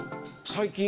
最近。